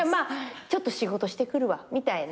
「ちょっと仕事してくるわ」みたいな。